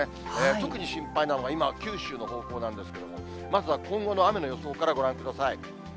特に心配なのが、今、九州の方向なんですけれども、まずは今後の雨の予想からご覧ください。